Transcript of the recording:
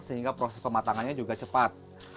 sehingga proses pematangannya juga cepat